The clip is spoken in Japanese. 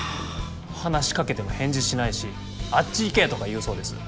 話しかけても返事しないし「あっち行け！」とか言うそうです